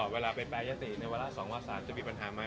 เวลาไปแปรยติในเวลา๒วัก๓จะมีปัญหาไม้